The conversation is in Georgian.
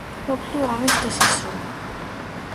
მსოფლიო ომის დასასრული